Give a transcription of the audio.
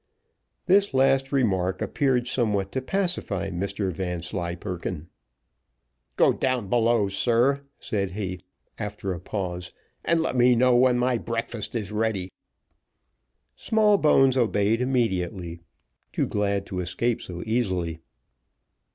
This last remark appeared somewhat to pacify Mr Vanslyperken. "Go down below, sir," said he, after a pause, "and let me know when my breakfast is ready." Smallbones obeyed immediately, too glad to escape so easily.